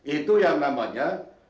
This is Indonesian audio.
itu yang namanya